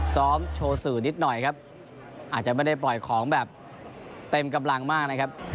ซ้อมโชว์สื่อนิดหน่อยครับอาจจะไม่ได้ปล่อยของแบบเต็มกำลังมากนะครับ